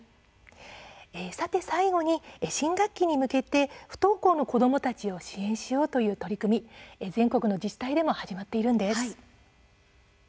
さて最後に新学期に向けて不登校の子どもたちを支援しよう取り組み全国の自治体のものをご紹介します。